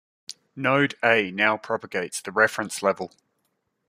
Node A now propagates the reference level.